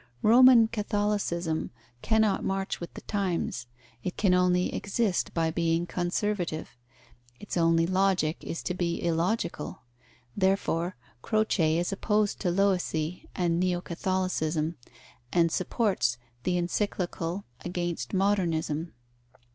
Roman Catholicism cannot march with the times. It can only exist by being conservative its only Logic is to be illogical. Therefore, Croce is opposed to Loisy and Neo Catholicism, and supports the Encyclical against Modernism.